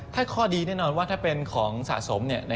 ถ้าข้อดีแน่นอนว่าถ้าเป็นของสะสม